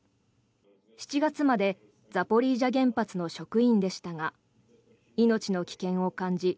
７月までザポリージャ原発の職員でしたが命の危険を感じ